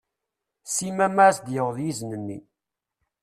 Sima mi as-d-yewweḍ yizen-nni.